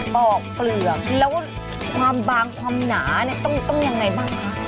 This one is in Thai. ปอกเปลือกแล้วความบางความหนาเนี่ยต้องยังไงบ้างคะ